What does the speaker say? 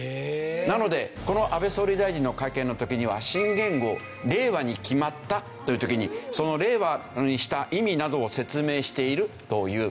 なのでこの安倍総理大臣の会見の時には新元号「令和」に決まったという時にその「令和」にした意味などを説明しているという。